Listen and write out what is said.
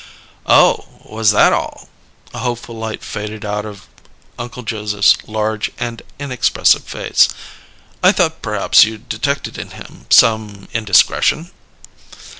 "Oh, was that all?" A hopeful light faded out of Uncle Joseph's large and inexpressive face. "I thought perhaps you'd detected him in some indiscretion."